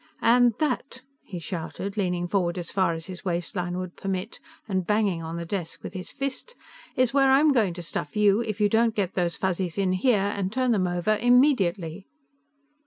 And that," he shouted, leaning forward as far as his waistline would permit and banging on the desk with his fist, "_is where I'm going to stuff you, if you don't get those Fuzzies in here and turn them over immediately!